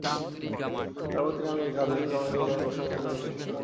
তারপর, আমি আমেরিকার আধুনিক রমণীগণের উদার মনের প্রশংসা করি।